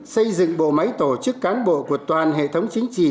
xây dựng bộ máy tổ chức cán bộ của toàn hệ thống chính trị